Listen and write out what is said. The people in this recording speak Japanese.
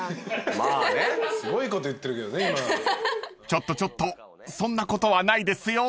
［ちょっとちょっとそんなことはないですよ］